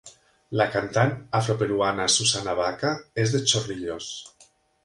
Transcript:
La cantant afroperuana Susana Baca és de Chorrillos.